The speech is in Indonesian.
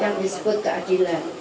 yang disebut keadilan